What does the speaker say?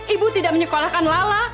ibu tidak menyekolahkan lala